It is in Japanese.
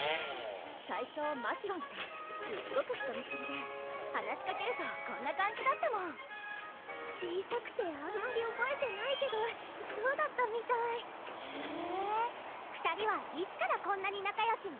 最初ましろんってすっごく人見知りで話しかけるとこんな感じだったもん小さくてあまりおぼえてないけどそうだったみたいへぇ２人はいつからこんなに仲よしに？